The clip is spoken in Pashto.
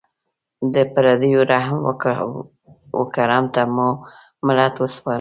د پردیو رحم و کرم ته مو ملت وسپاره.